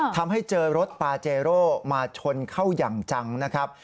ทำให้เจอรถปาเจโร่มาชนเข้าอย่างจังนะครับ